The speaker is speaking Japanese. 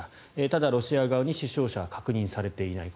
ただ、ロシア側に死傷者は確認されていない。